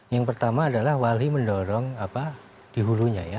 yang pertama adalah walhi mendorong di hulunya ya